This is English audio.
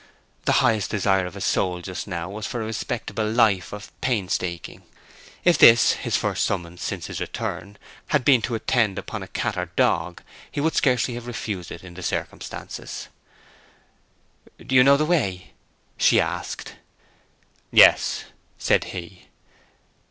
The highest desire of his soul just now was for a respectable life of painstaking. If this, his first summons since his return, had been to attend upon a cat or dog, he would scarcely have refused it in the circumstances. "Do you know the way?" she asked. "Yes," said he.